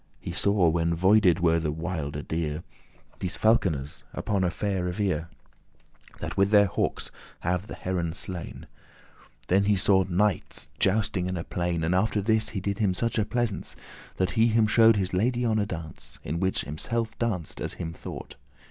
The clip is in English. He saw, when voided* were the wilde deer, *passed away These falconers upon a fair rivere, That with their hawkes have the heron slain. Then saw he knightes jousting in a plain. And after this he did him such pleasance, That he him shew'd his lady on a dance, In which himselfe danced, as him thought.